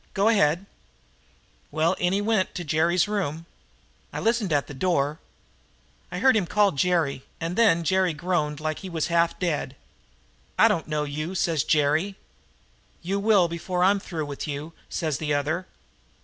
Go ahead." "Well, in he went to Jerry's room. I listened at the door. I heard him call Jerry, and then Jerry groaned like he was half dead. "'I don't know you,' says Jerry. "'You will before I'm through with you,' says the other.